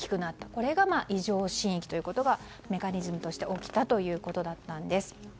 これで異常震域ということがメカニズムとして起きたということだったんです。